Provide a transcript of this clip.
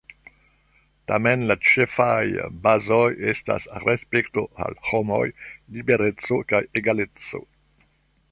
Tamen la ĉefaj bazoj estas respekto al homoj, libereco kaj egaleco.